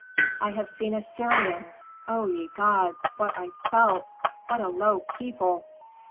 "I have seen Assyrians. O ye gods! what I felt! What a low people!